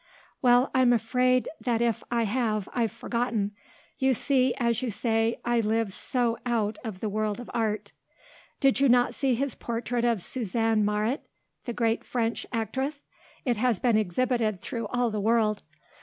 "Well, I'm afraid that if I have I've forgotten. You see, as you say, I live so out of the world of art." "Did you not see his portrait of Susanne Mauret the great French actress? It has been exhibited through all the world."